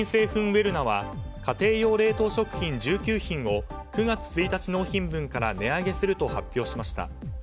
ウェルナは家庭用冷凍食品１９品を９月１日納品分から値上げすると発表しました。